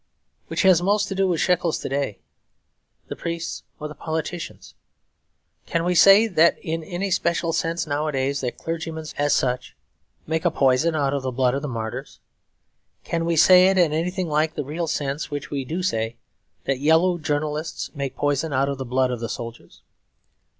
Which has most to do with shekels to day, the priests or the politicians? Can we say in any special sense nowadays that clergymen, as such, make a poison out of the blood of the martyrs? Can we say it in anything like the real sense, in which we do say that yellow journalists make a poison out of the blood of the soldiers?